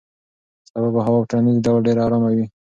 سبا به هوا په ټولیز ډول ډېره ارامه وي.